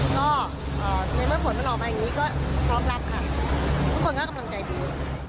ก็ในเมื่อผลมันออกมาอย่างนี้ก็พร้อมรับค่ะทุกคนก็กำลังใจดี